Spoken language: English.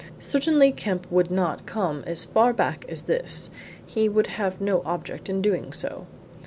Certainly Kemp would not come as far back as this he would have no object in doing so."